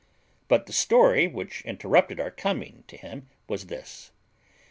But the story which interrupted our coming to him was this.